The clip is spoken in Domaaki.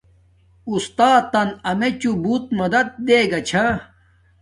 اُستات تن امیچوں بوت مدد دیگا چھا